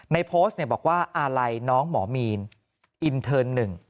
ในโพสต์บอกว่าอาลัยน้องหมอมีนอินเทิร์นหนึ่ง